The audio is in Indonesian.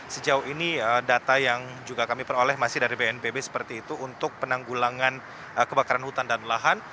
sejauh ini data yang juga kami peroleh masih dari bnpb seperti itu untuk penanggulangan kebakaran hutan dan lahan